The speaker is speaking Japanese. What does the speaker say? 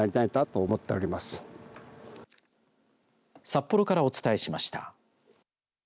札幌からお伝えしました。